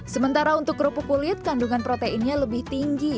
sementara untuk kerupuk kulit kandungan proteinnya lebih tinggi